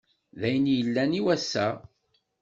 D ayen i yellan i wass-a.